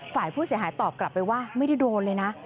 ฝ่ายผู้เสียหายตอบกลับไปว่าไม่ได้โดนเลยนะ